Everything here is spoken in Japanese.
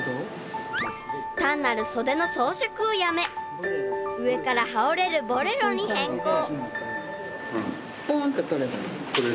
［単なる袖の装飾をやめ上から羽織れるボレロに変更］